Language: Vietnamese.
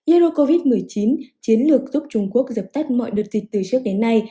ero covid một mươi chín chiến lược giúp trung quốc dập tắt mọi đợt dịch từ trước đến nay